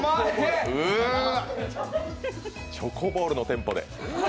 うわ、チョコボールのテンポで。